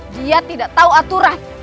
dia tidak tahu aturan